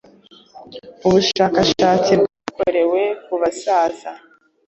ubushakashatsi bwakorewe ku basaza